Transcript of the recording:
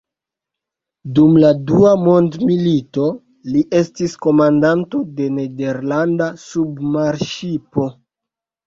Dum la Dua Mondmilito li estis komandanto de nederlanda submarŝipo.